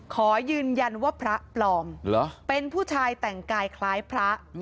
ขอยืนยันว่าพระปลอมเป็นผู้ชายแต่งกายคล้ายพระ